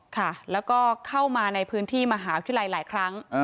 ค่ะแล้วก็เข้ามาในพื้นที่มหาวิทยาลัยหลายครั้ง